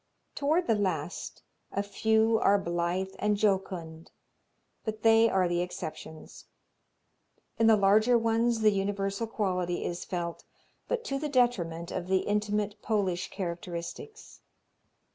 Toward the last, a few are blithe and jocund, but they are the exceptions. In the larger ones the universal quality is felt, but to the detriment of the intimate, Polish characteristics.